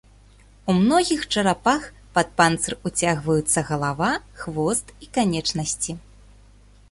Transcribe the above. У многіх чарапах пад панцыр уцягваюцца галава, хвост і канечнасці.